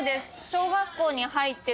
小学校に入ってすぐ。